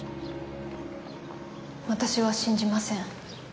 私は信じません。